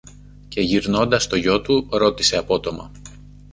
Και γυρνώντας στο γιο του ρώτησε απότομα